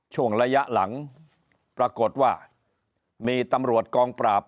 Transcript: ช่วงระยะหลังปรากฏว่ามีตำรวจกองปราบ